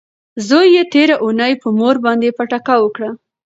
زوی یې تیره اونۍ په مور باندې پټکه وکړه.